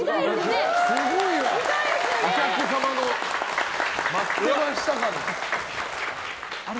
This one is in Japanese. お客様の待ってました感。